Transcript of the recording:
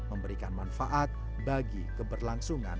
memberikan manfaat bagi keberlangsungan